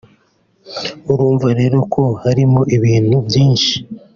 urumva rero ko harimo ibintu byinshi